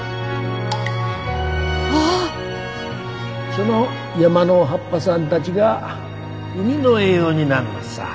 その山の葉っぱさんたちが海の栄養になんのっさ。